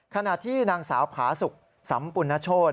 ขนาดที่นางสาวผาสุกสัมปุณณโชษ